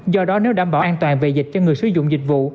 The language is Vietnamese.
do đó nếu đảm bảo an toàn về dịch cho người sử dụng dịch vụ